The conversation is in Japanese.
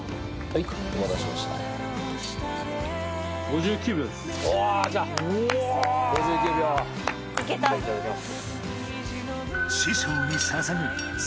いただきます。